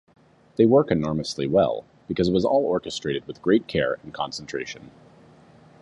They work enormously well, because it was all orchestrated with great care and concentration.